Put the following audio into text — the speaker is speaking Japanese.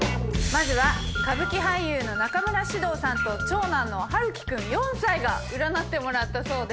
まずは歌舞伎俳優の中村獅童さんと長男の陽喜君４歳が占ってもらったそうです。